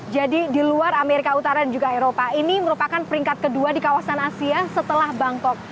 jadi di luar amerika utara dan juga eropa ini merupakan peringkat kedua di kawasan asia setelah bangkok